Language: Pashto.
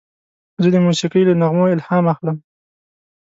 زه د موسیقۍ له نغمو الهام اخلم.